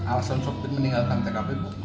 alasan sopir meninggalkan tkp